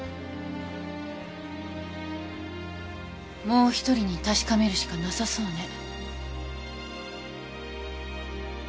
もう一人に確かめるしかなさそうね。